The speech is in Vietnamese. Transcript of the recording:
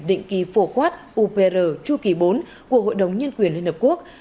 định kỳ phổ quát upr chu kỳ bốn của hội đồng nhân quyền liên hợp quốc